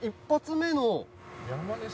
１発目の。